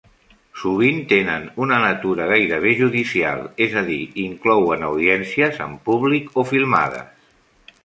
Sovint tenen una natura gairebé judicial, és a dir, inclouen audiències amb públic o filmades.